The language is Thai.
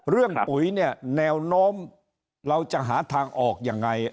ปุ๋ยเนี่ยแนวโน้มเราจะหาทางออกยังไง